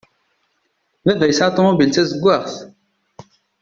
Baba yesɛa ṭumubil d tazeggaɣt.